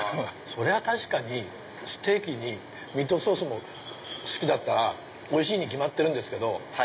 そりゃ確かにステーキにミートソースも好きだったらおいしいに決まってるんですけど。